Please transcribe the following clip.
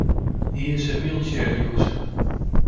He is a wheelchair user.